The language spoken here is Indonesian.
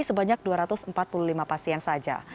sebanyak dua ratus empat puluh lima pasien saja